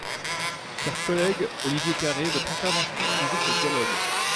Cher collègue Olivier Carré, votre intervention invite au dialogue.